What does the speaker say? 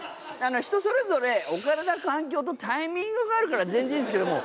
人それぞれ置かれた環境とタイミングがあるから全然いいんですけども。